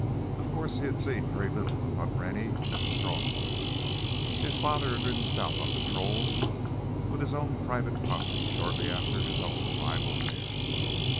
Of course he had seen very little of Hunt Rennie at the Stronghold; his father had ridden south on patrol with his own private posse shortly after his own arrival there.